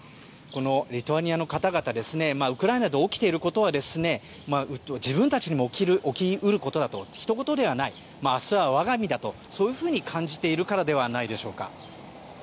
リトアニアの方々はウクライナで起きていることは自分たちにも起き得ることだと他人事ではない明日は我が身だと感じているからではないでしょうか。